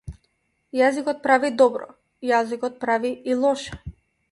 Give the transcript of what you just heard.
Јазикот прави добро, јазикот прави и лошо.